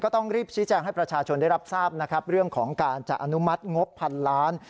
ต้องรีบชี้แจงให้ประชาชนได้รับทราบนะครับเรื่องของการจะอนุมัติงบพันล้าน